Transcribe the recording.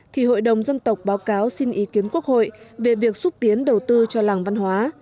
thì hội đồng dân tộc báo cáo xin ý kiến quốc hội về việc xúc tiến đầu tư cho làng văn hóa